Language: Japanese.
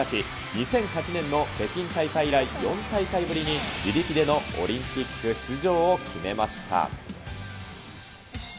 ２００８年の北京大会以来、４大会ぶりに自力でのオリンピック出場を決めました。